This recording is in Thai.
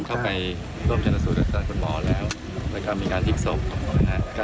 หลังจากนั้นก็